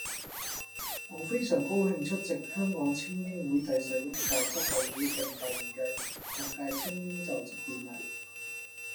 我非常高興出席香港菁英會第十一屆執委會暨第二屆學界菁英就職典禮